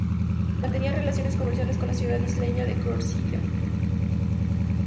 Mantenía relaciones comerciales con la ciudad isleña de Corcira.